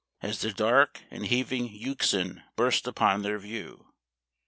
as the dark and heaving Euxine burst upon their view.